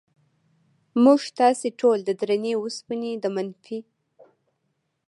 موږ تاسې ټول د درنې وسپنې د منفي